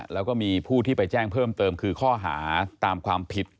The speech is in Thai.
แล้วก็มีผู้ที่ไปแจ้งเพิ่มเติมคือข้อหาตามความผิด